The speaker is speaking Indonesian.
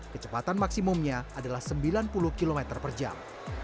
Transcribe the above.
kecepatan maksimumnya adalah sembilan puluh km per jam